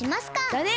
だね！